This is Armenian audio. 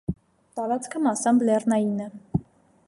Տարածքը մեծ մասամբ լեռնային է։